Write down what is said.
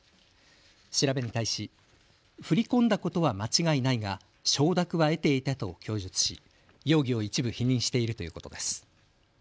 調べに対し振り込んだことは間違いないが承諾は得ていたと供述し容疑を一部否認しているということです。